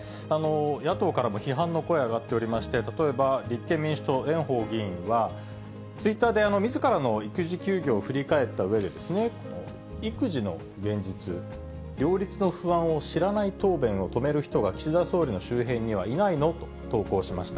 野党からも批判の声が上がっておりまして、例えば、立憲民主党、蓮舫議員は、ツイッターでみずからの育児休業を振り返ったうえで、育児の現実、両立の不安を知らない答弁を止める人が岸田総理の周辺にはいないの？と投稿しました。